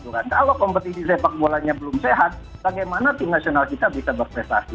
kalau kompetisi sepak bolanya belum sehat bagaimana tim nasional kita bisa berprestasi